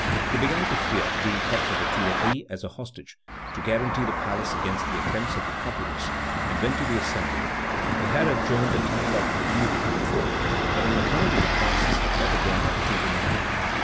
He began to fear being kept at the Tuileries as a hostage, to guarantee the palace against the attempts of the populace, and went to the Assembly. It had adjourned at ten o'clock the evening before, but on account of the crisis had met again at two in the morning.